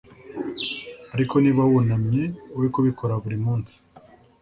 ariko niba wunamye we kubikora buri munsi